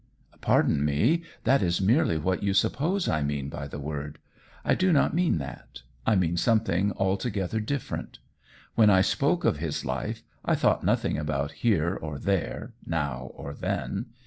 "Pardon me, that is merely what you suppose I mean by the word. I do not mean that; I mean something altogether different. When I spoke of his life, I thought nothing about here or there, now or then.